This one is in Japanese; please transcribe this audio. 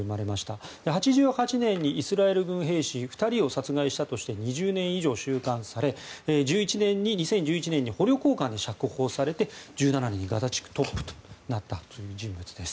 １９８８年にイスラエル軍の兵士２人を殺害したとして２０年以上収監され２０１１年に捕虜交換で釈放されて２０１７年にガザ地区トップになった人物です。